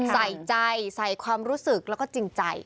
ใส่ใจใส่ความรู้สึกแล้วก็จริงใจ